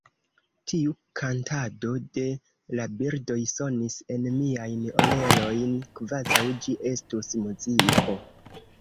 Tiu kantado de la birdoj sonis en miajn orelojn, kvazaŭ ĝi estus muziko.